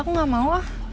aku gak mau ah